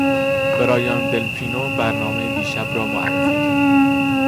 برایان دلپینو برنامه دیشب را معرفی کرد.